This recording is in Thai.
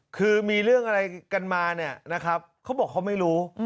คือมีเรื่องอะไรกันมาเนี่ยนะครับเขาบอกเขาไม่รู้